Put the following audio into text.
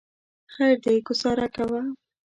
خیر دی ګوزاره کوه.